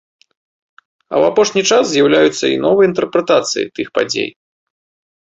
А ў апошні час з'яўляюцца і новыя інтэрпрэтацыі тых падзей.